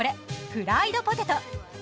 フライドポテト。